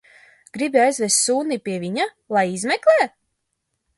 Gribi aizvest suni pie viņa, lai izmeklē?